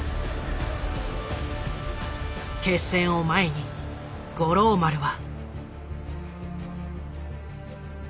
決戦を前に五郎丸は。